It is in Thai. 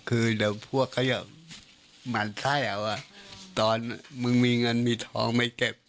คือเดี๋ยวพวกเขาจะหมั่นไส้เอาอ่ะตอนมึงมีเงินมีทองไม่เก็บ